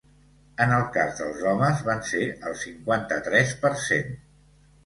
En el cas dels homes, van ser el cinquanta-tres per cent.